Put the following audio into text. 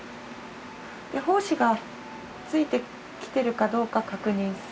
胞子がついてきてるかどうか確認する？